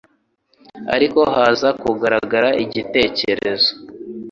ariko haza kugaragara igitekerezo